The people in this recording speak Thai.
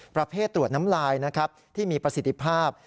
ประเภทตรวจน้ำลายนะครับที่มีประสิทธิภาพ